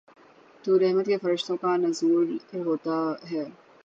تو رحمت کے فرشتوں کا نزول ہوتا ہے۔